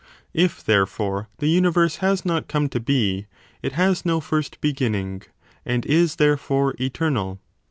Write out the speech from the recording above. If, therefore, the universe has not come to be, it has no first beginning, and is therefore eternal.